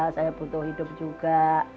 saya butuh hidup juga